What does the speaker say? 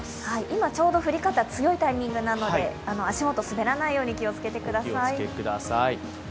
今ちょうど降り方、強いタイミングなので、足元、滑らないように気をつけてください。